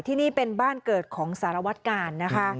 ที่นี่เป็นบ้านเกิดของสารวัตกาลนะคะ